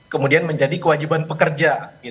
kemudian menjadi kewajiban pekerja